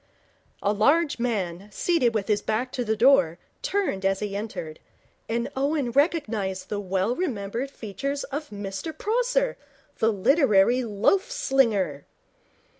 A large man, seated with his back to the door, turned as he entered, and Owen recognized the well remembered features of Mr Prosser, the literary loaf slinger.